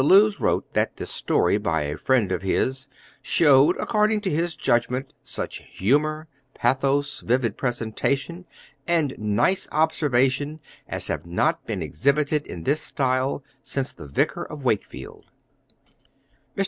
Lewes wrote that this story by a friend of his, showed, according to his judgment, "such humor, pathos, vivid presentation, and nice observation as have not been exhibited, in this style, since the Vicar of Wakefield." Mr.